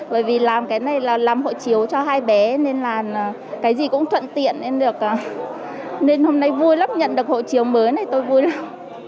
bởi vì làm cái này là làm hộ chiếu cho hai bé nên là cái gì cũng thuận tiện nên được nên hôm nay vui lắm nhận được hộ chiếu mới này tôi vui lắm